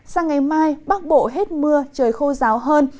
sang ngày mai bắc bộ hết mưa trời khô ráo hơn